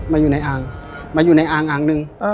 มาอยู่ในอ่างมาอยู่ในอ่างอ่างหนึ่ง